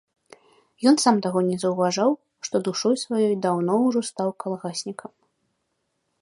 Ён сам таго не заўважаў, што душой сваёй даўно ўжо стаў калгаснікам.